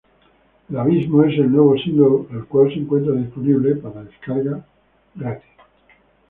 El Abismo es el nuevo single, el cual se encuentra disponible para descarga gratis.